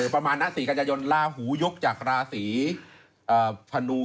ประมาณนะ๔กัญญายนต์ลาหูยกจากลาศรีพนู